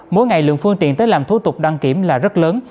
mỗi ngày lượng phương tiện tới làm thủ tục đăng kiểm là rất lớn